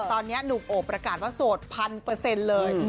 แต่ตอนนี้หนูโอบประการว่าโสดพันเปอร์เซ็นต์เลย